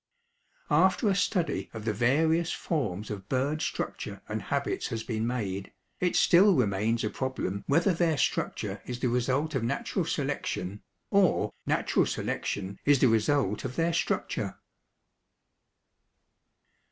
After a study of the various forms of bird structure and habits has been made, it still remains a problem whether their structure is the result of natural selection, or natural selection is the result of their structure.